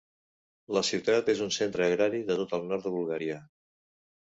La ciutat és un centre agrari del tot el nord de Bulgària.